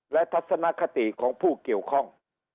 และทัศนคติของผู้เกี่ยวข้อง